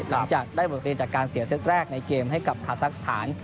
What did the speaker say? เราจะได้บทเรียนจากการเสียซักแรกในเกมให้กับทัศนฐาน